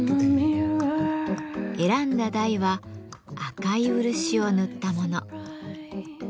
選んだ台は赤い漆を塗ったもの。